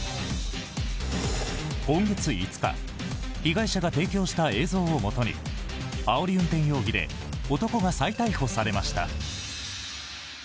今月５日被害者が提供した映像をもとにあおり運転容疑で男が再逮捕されました。